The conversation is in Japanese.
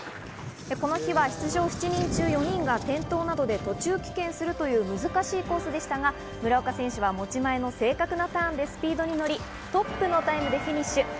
この日は出場７人中４人が転倒などで途中棄権するという難しいコースでしたが、村岡選手は持ち前の正確なターンでスピードに乗り、トップのタイムでフィニッシュ。